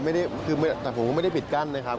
แต่ผมไม่ได้ผิดกั้นนะครับ